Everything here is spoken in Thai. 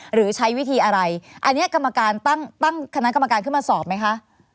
หรือใช้วิธีอะไรอันนี้กรรมการตั้งคณะกรรมการขึ้นมาสอบไหมคะ